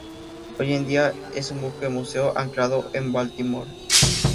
Hoy en día es un buque museo anclado en Baltimore.